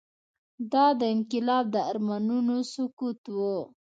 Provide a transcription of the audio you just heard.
دا د انقلاب د ارمانونو سقوط و.